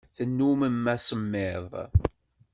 Tennummem asemmiḍ.